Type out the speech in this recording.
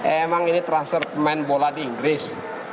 emang ini transfer main bola di inggris